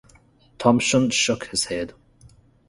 Thomson shook his head.